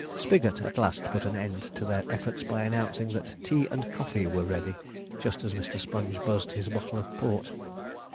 Spigot at last put an end to their efforts by announcing that 'tea and coffee were ready!' just as Mr. Sponge buzzed his bottle of port.